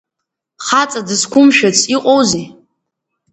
Хаҵа дызқәымшәыц иҟоузеи?